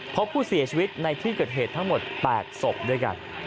พบผู้เสียชีวิตในที่เกิดเหตุทั้งหมด๘ศพด้วยกัน